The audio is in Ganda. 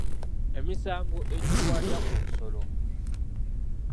Emisango egikwata ku nsolo.